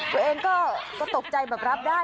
ตัวเองก็ตกใจแบบรับได้